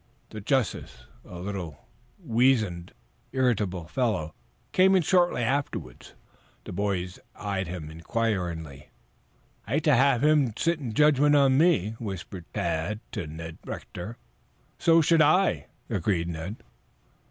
The justice, a little, weazened, irritable fellow, came in shortly afterwards. The boys eyed him inquiringly. "I'd hate to have him sit in judgment on me," whispered Tad to Ned Rector. "So should I," agreed Ned.